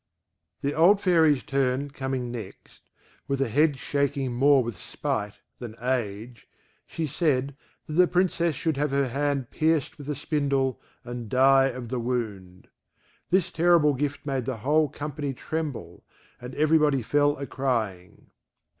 The old Fairy's turn coming next, with a head shaking more with spite than age, she said, that the Princess should have her hand pierced with a spindle, and die of the wound. This terrible gift made the whole company tremble, and every body fell a crying.